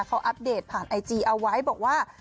เขาอัปเดตผ่านไอจีเอาไว้บอกว่า